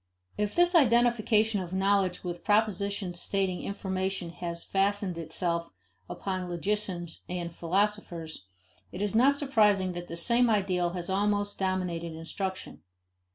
If this identification of knowledge with propositions stating information has fastened itself upon logicians and philosophers, it is not surprising that the same ideal has almost dominated instruction.